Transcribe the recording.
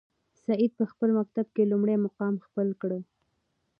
سعید په خپل مکتب کې لومړی مقام خپل کړ.